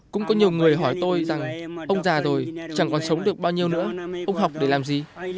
cũng có nhiều người hỏi tôi rằng ông già rồi chẳng còn sống được bao nhiêu nữa ông học để làm gì